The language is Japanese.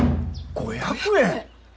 ５００円！？